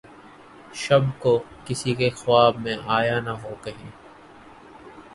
شب کو‘ کسی کے خواب میں آیا نہ ہو‘ کہیں!